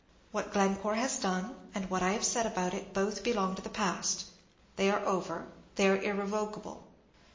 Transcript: What Glencore has done, and what I have said about it, both belong to the past. They are over, they are irrevocable.